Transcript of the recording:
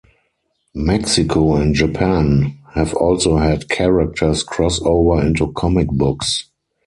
Mexico and Japan have also had characters crossover into comic books.